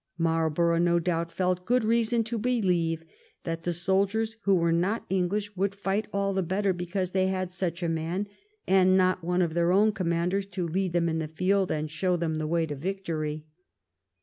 Marlborough no doubt felt good reason to believe that the soldiers who were not English would fight all the better because they had such a man, and not one of their own com manders, to lead them in the field and show them the 352 WHAT THE WAR WAS COMING TO waj to victory.